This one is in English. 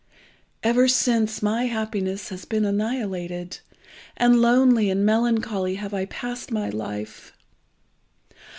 "Ever since my happiness has been annihilated, and lonely and melancholy have I passed my life.